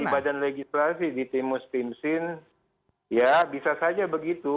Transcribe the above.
di badan legislasi di timus timsin ya bisa saja begitu